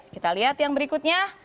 kita lihat yang berikutnya